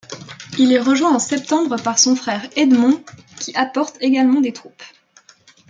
Il est rejoint en septembre par son frère Edmond qui apporte également des troupes.